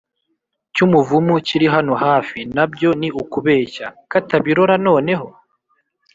cy’umuvumu, kiri hano hafi, na byo ni ukubeshya?” Katabirora noneho